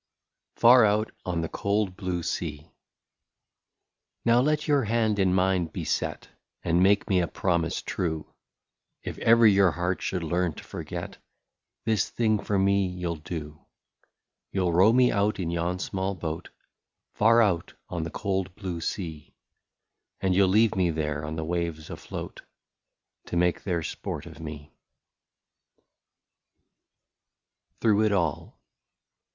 79 FAR OUT ON THE COLD BLUE SEA. " Now let your hand in mine be set, And make me a promise true, — If ever your heart should learn to forget, This thing for me you '11 do, —" You '11 row me out in yon small boat, Far out on the cold blue sea ; And you '11 leave me there on the waves afloat. To make their sport of me/' 8o THROUGH IT ALL.